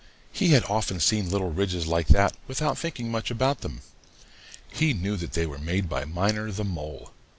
He had often seen little ridges like that without thinking much about them. He knew that they were made by Miner the Mole.